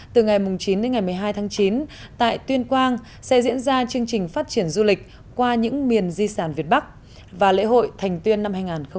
từ ngày chín đến ngày một mươi hai tháng chín tại tuyên quang sẽ diễn ra chương trình phát triển du lịch qua những miền di sản việt bắc và lễ hội thành tuyên năm hai nghìn một mươi chín